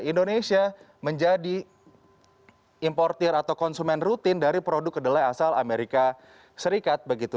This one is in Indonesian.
indonesia menjadi importir atau konsumen rutin dari produk kedelai asal amerika serikat begitu